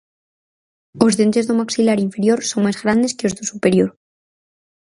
Os dentes do maxilar inferior son máis grandes que os do superior.